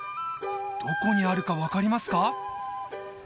どこにあるか分かりますか？